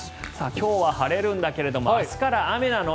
今日は晴れるんだけど明日から雨なの？